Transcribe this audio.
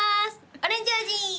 オレンジ味！